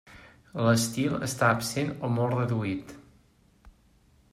L'estil està absent o molt reduït.